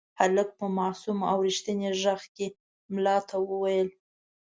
هلک په معصوم او رښتیني غږ کې ملا ته وویل.